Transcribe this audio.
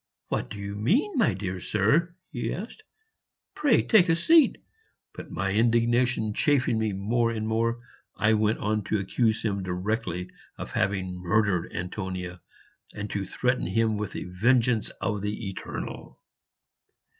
"What do you mean, my dear sir?" he asked; "pray take a seat." But my indignation chafing me more and more, I went on to accuse him directly of having murdered Antonia, and to threaten him with the vengeance of the Eternal.